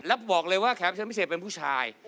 แล้วบอกเลยว่าแขกเชิญพิเศษเป็นผู้ชาย